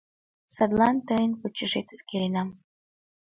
Садлан тыйын почешет эскеренам.